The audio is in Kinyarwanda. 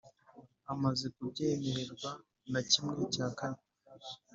amaze kubyemererwa na kimwe cya kane